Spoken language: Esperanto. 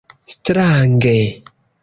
Strange?